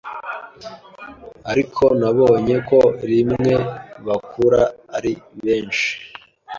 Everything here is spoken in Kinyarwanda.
Ariko nabonye ko rimwe bakura ari benshi